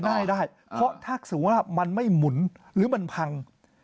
ง่ายได้เพราะถ้าสมมุติว่ามันไม่หมุนหรือมันพัง